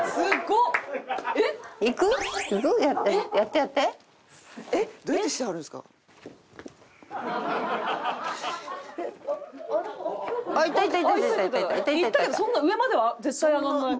いったけどそんな上までは絶対上がらない。